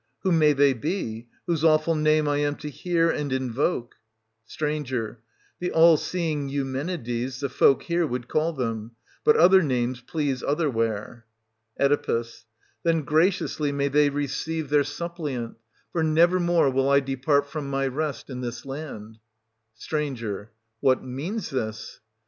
Who may they be, whose awful name I am to hear and invoke } St. The all seeing Eumenides the folk here would call them : but other names please otherwhere. Oe. Then graciously may they receive their sup 45—69] OEDIPUS AT COLONUS 63 pliant ! for nevermore will I depart from my rest in this land. St. What means this?